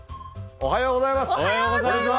おはようございます。